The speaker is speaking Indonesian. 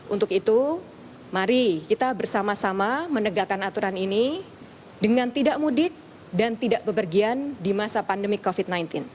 untuk itu mari kita bersama sama menegakkan aturan ini dengan tidak mudik dan tidak bepergian di masa pandemi covid sembilan belas